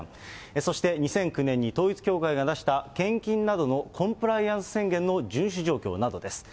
そして、２００９年に統一教会が出した献金などのコンプライアンス宣言の順守状況などです。